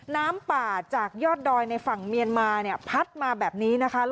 น้ำป่าจากยอดดอยในฝั่งเมียนมาเนี่ยพัดมาแบบนี้นะคะ